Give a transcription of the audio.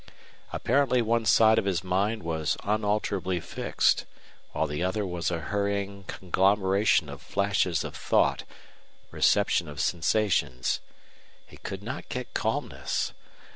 Apparently one side of his mind was unalterably fixed, while the other was a hurrying conglomeration of flashes of thought, reception of sensations. He could not get calmness.